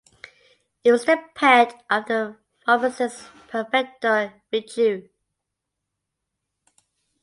It was the pet of the pharmacist Perfecto Feijoo.